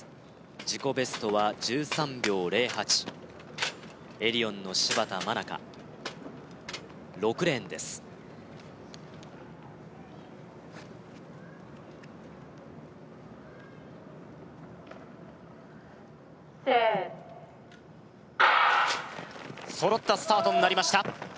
自己ベストは１３秒０８エディオンの芝田愛花６レーンですＳｅｔ揃ったスタートになりました